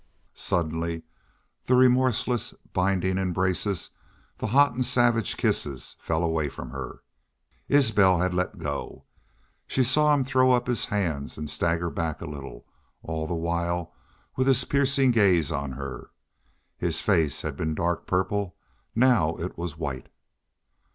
Suddenly the remorseless binding embraces the hot and savage kisses fell away from her. Isbel had let go. She saw him throw up his hands, and stagger back a little, all the while with his piercing gaze on her. His face had been dark purple: now it was white.